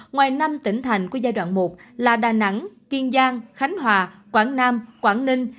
ngoài năm tỉnh thành của giai đoạn một là đà nẵng kiên giang khánh hòa quảng nam quảng ninh